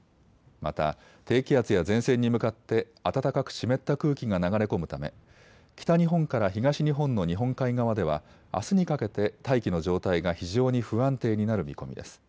また低気圧や前線に向かって暖かく湿った空気が流れ込むため北日本から東日本の日本海側ではあすにかけて大気の状態が非常に不安定になる見込みです。